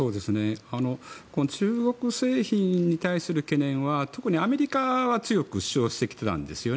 この中国製品に対する懸念は特にアメリカは強く主張してきていたんですよね。